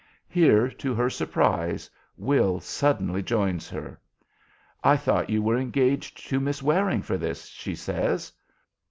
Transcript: Here, to her surprise, Will suddenly joins her. "I thought you were engaged to Miss Waring for this," she says.